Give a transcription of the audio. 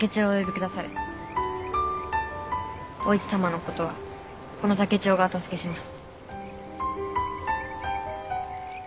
お市様のことはこの竹千代がお助けします。